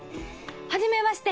はじめまして！